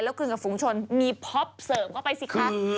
แล้วกลืนกับฝุงชนมีพ็อปเสิร์ฟก็ไปสิคะ